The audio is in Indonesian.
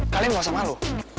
kalian gak usah malu